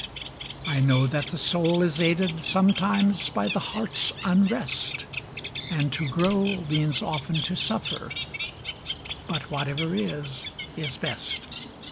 I know that the soul is aided Sometimes by the heart's unrest, And to grow means often to suffer But whatever is is best.